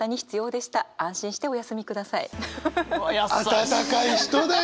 温かい人だよ！